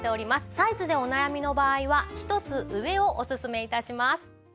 サイズでお悩みの場合は１つ上をおすすめ致します。